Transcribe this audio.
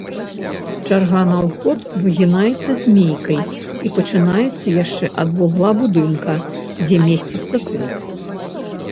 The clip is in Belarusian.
Чарга на ўваход выгінаецца змейкай і пачынаецца яшчэ ад вугла будынка, дзе месціцца клуб.